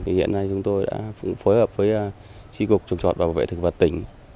hiện nay chúng tôi đã phối hợp với chí cục trùng trọt bảo vệ thực vật tỉnh